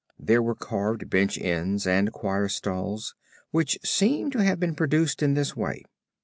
There were carved bench ends and choir stalls which seem to have been produced in this way.